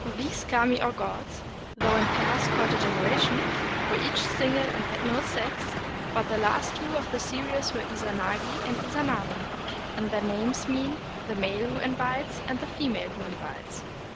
These kami or gods, though in pairs called a genera tion, were each single and had no sex; but the last two of the series were Izanagi and Izanami, and their names mean The Male Who Invites, and The Female Who Invites.